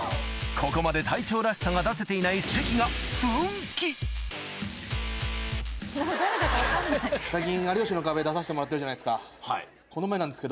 ここまで隊長らしさが出せていない関が最近。